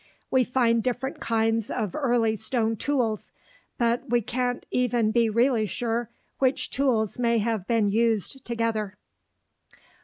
We find different kinds of early stone tools, but we can't even be really sure which tools may have been used together.